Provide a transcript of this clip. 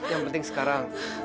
yang penting sekarang